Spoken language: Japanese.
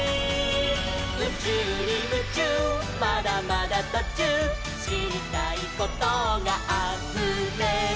「うちゅうにムチューまだまだとちゅう」「しりたいことがあふれる」